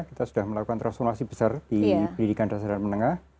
kita sudah melakukan transformasi besar di pendidikan dasar dan menengah